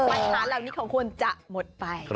ปัญหาเหล่านี้ของคุณจะหมดไป